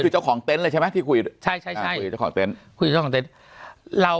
เจ้าของเต้นเลยใช่ไหมที่คุยใช่ใช่คุยกับเจ้าของเต้นเรา